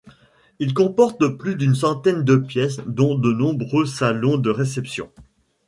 Il comporte plus d'une centaine de pièces dont de nombreux salons de réceptions.